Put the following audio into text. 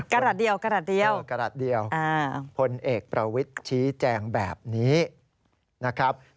แค่นั้นเองพลเอกประวิทย์ชี้แจงแบบนี้ค่ะกระดาษเดียว